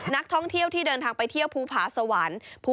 นักท่องเที่ยวที่เดินทางไปเที่ยวภูผาสวรรค์